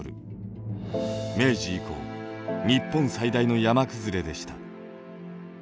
明治以降日本最大の山崩れでした。